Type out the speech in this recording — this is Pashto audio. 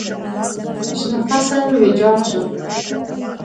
شنه فصل ویجاړ شو.